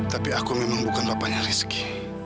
tapi aku memang bukan bapaknya rizky